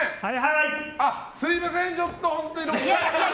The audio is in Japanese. すみません、ちょっと本当に。